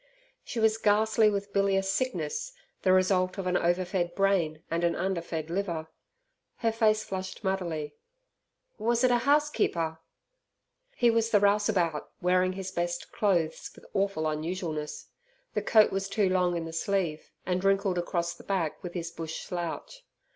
She was ghastly with bilious sickness the result of an over fed brain and an under fed liver. Her face flushed muddily. "Was it a housekeeper?" He was the rouseabout, wearing his best clothes with awful unusualness. The coat was too long in the sleeve, and wrinkled across the back with his bush slouch.